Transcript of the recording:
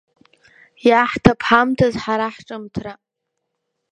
Иаҳҭап ҳамҭас ҳара ҳҿымҭра…